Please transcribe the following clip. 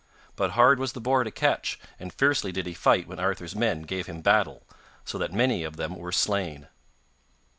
But hard was the boar to catch, and fiercely did he fight when Arthur's men gave him battle, so that many of them were slain.